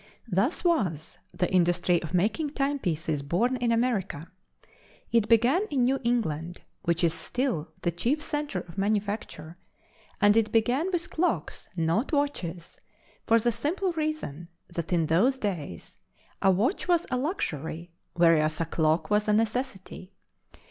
Thus was the industry of making timepieces born in America. It began in New England, which is still the chief center of manufacture, and it began with clocks, not watches, for the simple reason that in those days, a watch was a luxury whereas a clock was a necessity.